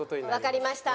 わかりました。